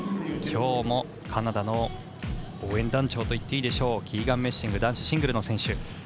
きょうも、カナダの応援団長といっていいでしょうキーガン・メッシング男子シングルの選手。